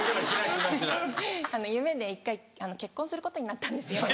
夢で１回結婚することになったんですよ。